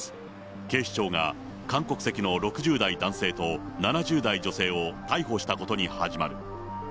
警視庁が韓国籍の６０代男性と、７０代女性を逮捕したことに始まる。